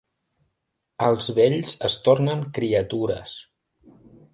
Els vells es tornen criatures.